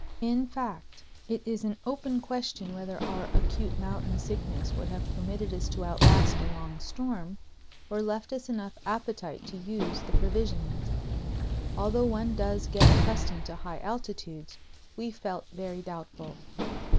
In fact, it is an open question whether our acute mountain sickness would have permitted us to outlast a long storm, or left us enough appetite to use the provisions. Although one does get accustomed to high altitudes, we felt very doubtful.